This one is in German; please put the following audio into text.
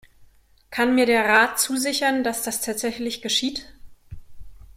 Kann mir der Rat zusichern, dass das tatsächlich geschieht?